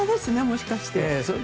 もしかして。